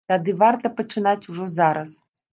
Тады варта пачынаць ужо зараз!